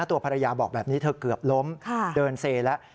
ตัวภรรยาบอกแบบนี้เธอเกือบล้มเดินเซแล้ว